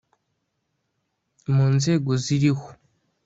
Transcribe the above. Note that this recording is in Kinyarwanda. mu nzego ziriho